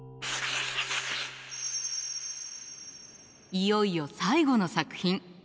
いよいよ最後の作品。